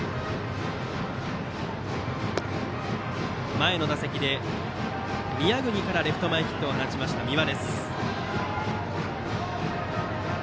前の打席で宮國からレフト前ヒットを放った三輪。